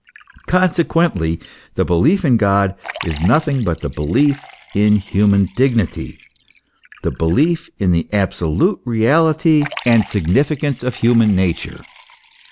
Conse quently, the belief in God is nothing but the belief in human dignity,* the belief in the absolute reality and significance of the human nature.